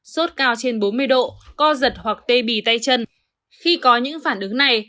sốt cao trên bốn mươi độ co giật hoặc tê bì tay chân khi có những phản ứng này